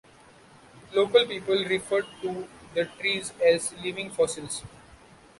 Local people refer to the trees as "living fossils".